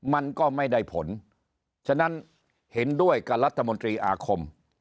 มันก็ไม่ได้ผลฉะนั้นเห็นด้วยกับรัฐมนตรีอาคม